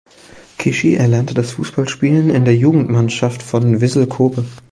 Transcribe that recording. Kishi erlernte das Fußballspielen in der Jugendmannschaft von Vissel Kobe.